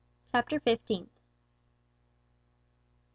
CHAPTER FIFTEENTH.